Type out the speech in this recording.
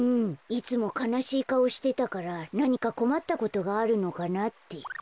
いつもかなしいかおしてたからなにかこまったことがあるのかなって。